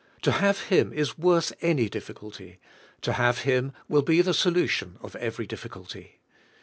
To have Him is worth any difficulty; to have Him will be the solution of every diffi culty.